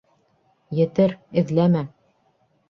Етэр, эҙләмә.